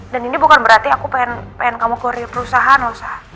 dan ini bukan berarti aku pengen kamu kurir perusahaan sa